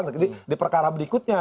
jadi di perkara berikutnya